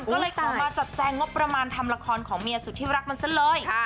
ก็เลยขอมาจัดแจงงบประมาณทำละครของเมียสุดที่รักมันซะเลย